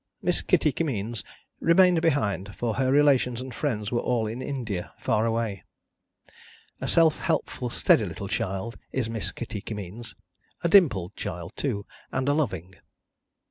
Miss Kitty Kimmeens remained behind, for her relations and friends were all in India, far away. A self helpful steady little child is Miss Kitty Kimmeens: a dimpled child too, and a loving.